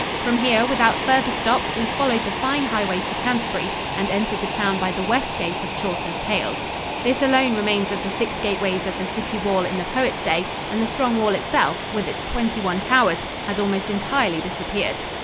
From here, without further stop, we followed the fine highway to Canterbury and entered the town by the west gate of Chaucer's Tales. This alone remains of the six gateways of the city wall in the poet's day, and the strong wall itself, with its twenty one towers, has almost entirely disappeared.